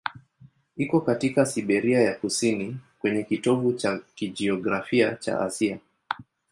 Iko katika Siberia ya kusini, kwenye kitovu cha kijiografia cha Asia.